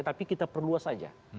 tapi kita perluas saja